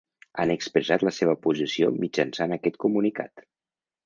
Han expressat la seva posició mitjançant aquest comunicat.